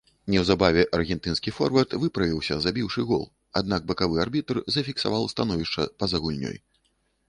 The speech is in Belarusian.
Неўзабаве аргентынскі форвард выправіўся, забіўшы гол, аднак бакавы арбітр зафіксаваў становішча па-за гульнёй.